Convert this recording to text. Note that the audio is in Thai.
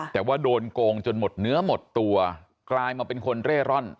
แต่ว่าโดนโกงจนหมดเนื้อหมดตัวกลายมาเป็นคนเร่ร่อน